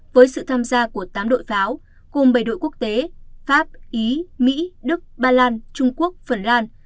với sự tham gia của tám đội pháo gồm bảy đội quốc tế pháp ý mỹ đức ba lan trung quốc phần lan